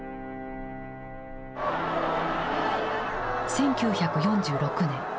１９４６年。